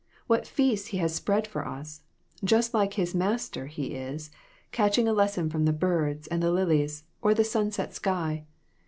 What feasts he has spread for us ! Just like his Master he is, catching a lesson from the birds and the lilies, or the sunset sky